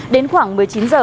đến khoảng một mươi chín h